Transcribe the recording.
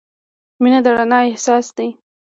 • مینه د رڼا احساس دی.